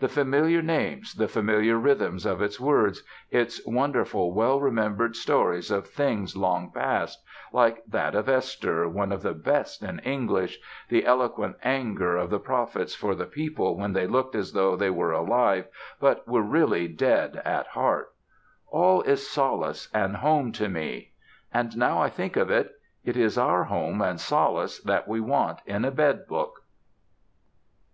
The familiar names, the familiar rhythm of its words, its wonderful well remembered stories of things long past like that of Esther, one of the best in English the eloquent anger of the prophets for the people then who looked as though they were alive, but were really dead at heart, all is solace and home to me. And now I think of it, it is our home and solace that we want in a bed book.